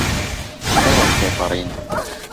دە ڕۆژ تێپەڕین.